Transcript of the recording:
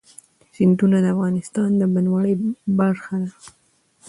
سیندونه د افغانستان د بڼوالۍ برخه ده.